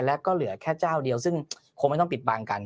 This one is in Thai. และก็เหลือแค่เจ้าเดียวซึ่งคงไม่ต้องปิดบังกัน